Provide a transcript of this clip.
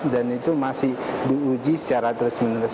dan itu masih diuji secara terus menerus